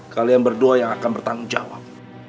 kalian berdua yang akan bertanggung jawab